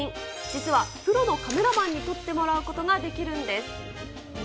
実は、プロのカメラマンに撮ってもらうことができるんです。